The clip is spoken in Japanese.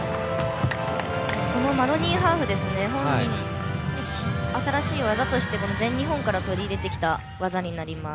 このマロニーハーフ本人も新しい技として全日本から取り入れてきた技になります。